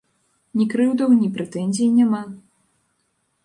Ні крыўдаў, ні прэтэнзій няма.